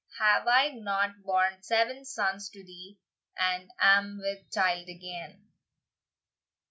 Have I not born seven sons to thee, And am with child again?"